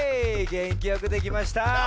げんきよくできました。